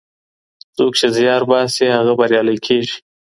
څوک چي زیار باسي هغه بریالی کېږي.